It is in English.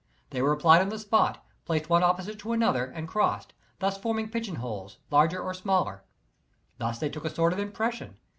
They were applied on the spot, placed one opposite to another and crossed, thus forming pigeon holes, larger or smaller. Thus they took a sort of impression.